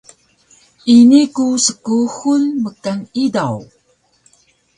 ini ku skuxul mkan idaw